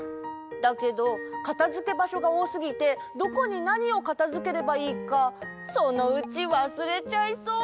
だけどかたづけばしょがおおすぎてどこになにをかたづければいいかそのうちわすれちゃいそう。